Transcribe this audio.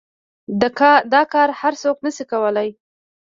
دا کار هر سوک نشي کواى.